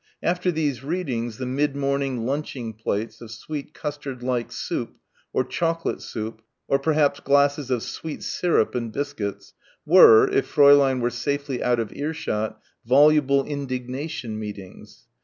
After these readings the mid morning lunching plates of sweet custard like soup or chocolate soup or perhaps glasses of sweet syrup and biscuits were, if Fräulein were safely out of earshot, voluble indignation meetings.